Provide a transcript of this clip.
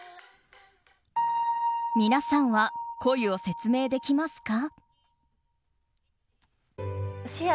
皆さんは恋を説明できますか？